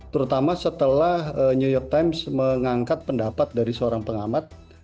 terutama setelah new york times mengangkat pendapat dari seorang pengamat